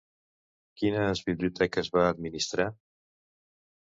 Quines biblioteques va administrar?